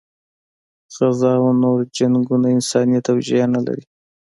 غزه او نور جنګونه انساني توجیه نه لري.